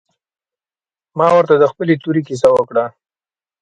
ما ورته د خپلې تورې کيسه وکړه.